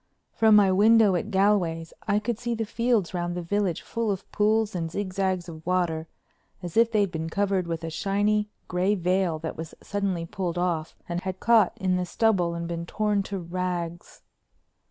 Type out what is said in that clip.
From my window at Galway's I could see the fields round the village full of pools and zigzags of water as if they'd been covered with a shiny gray veil that was suddenly pulled off and had caught in the stubble and been torn to rags.